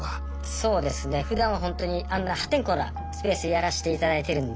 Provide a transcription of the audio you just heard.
そうですね。ふだんはほんとにあんな破天荒なスペースやらしていただいてるんで。